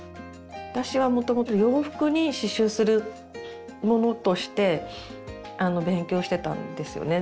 私はもともと洋服に刺しゅうするものとして勉強してたんですよね。